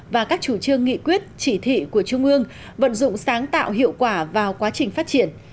và các chủ trương nghị quyết chỉ thị của trung ương vận dụng sáng tạo hiệu quả vào quá trình phát triển